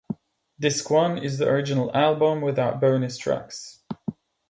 Disc one is the original album without bonus tracks.